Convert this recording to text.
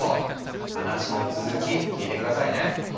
話の続き聞いて下さいね。